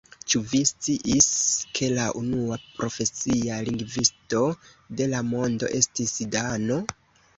Ĉu vi sciis ke la unua profesia lingvisto de la mondo estis dano?